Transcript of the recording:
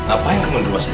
apa yang kamu beruasakan